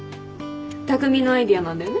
匠のアイデアなんだよね。